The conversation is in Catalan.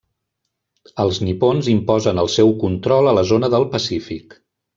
Els nipons imposen el seu control a la zona del Pacífic.